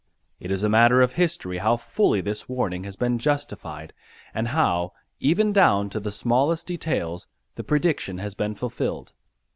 It is a matter of history how fully this warning has been justified and how, even down to the smallest details, the prediction has been fulfilled.